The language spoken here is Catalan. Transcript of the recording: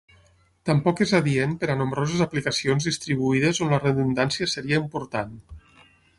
Tampoc és adient per a nombroses aplicacions distribuïdes on la redundància seria important.